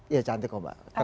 ya cantik kok mbak